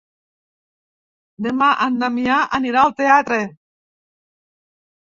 Demà en Damià anirà al teatre.